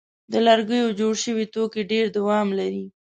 د لرګي جوړ شوي توکي ډېر دوام لري.